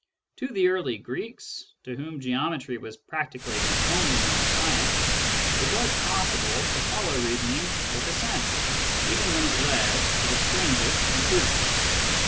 To the early Greeks, to whom geometry was practically the only known science, it was possible to follow reasoning with assent even when it led to the strangest conclusions.